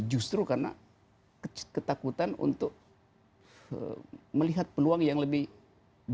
justru karena ketakutan untuk melihat peluang yang lebih baik